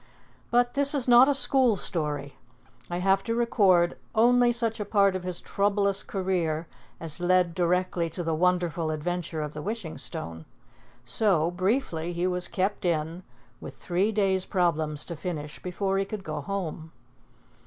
But this is not a school story. I have to record only such a part of his troublous career as led directly to the wonderful adventure of the Wishing Stone. So, briefly, he was "kept in," with three days' problems to finish before he could go home.